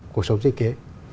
cuộc sống sinh kế